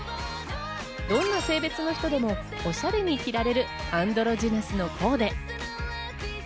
どんな性別の人でもおしゃれに着られる、アンドロジナスのコ−デ。